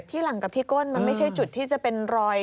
หลังกับที่ก้นมันไม่ใช่จุดที่จะเป็นรอย